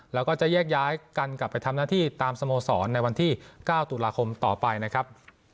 แล้วก็จะแยกย้ายกันกลับไปทำหน้าที่ตามสโมสรในวันที่๙ตุลาคมต่อไปนะครับ